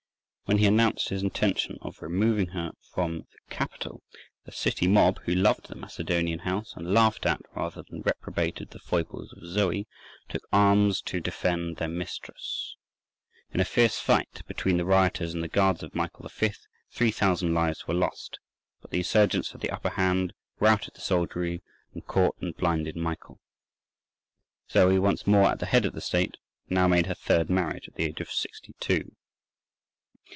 When he announced his intention of removing her from the capital, the city mob, who loved the Macedonian house, and laughed at rather than reprobated the foibles of Zoe, took arms to defend their mistress. In a fierce fight between the rioters and the guards of Michael V., 3,000 lives were lost: but the insurgents had the upper hand, routed the soldiery, and caught and blinded Michael. Zoe, once more at the head of the state, now made her third marriage, at the age of sixty two.